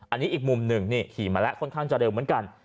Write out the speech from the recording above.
อันนี้อีกมุมหนึ่งนี่ขี่มาแล้วค่อนข้างจะเร็วเหมือนกัน